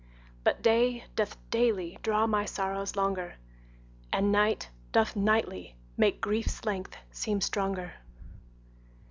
But day doth daily draw my sorrows longer, And night doth nightly make grief's length seem stronger.